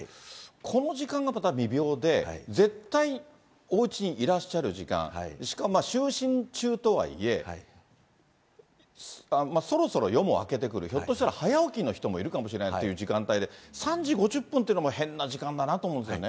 この時間がまた微妙で、絶対おうちにいらっしゃる時間、しかも、就寝中とはいえ、そろそろ夜も明けてくる、ひょっとしたら早起きの方もいるかもしれないっていう時間帯で、３時５０分っていうのも変な時間だなと思うんですよね。